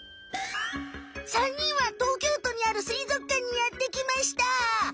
３にんは東京都にあるすいぞくかんにやってきました。